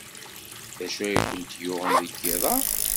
D acu ay kent-yuɣen deg yiḍ-a?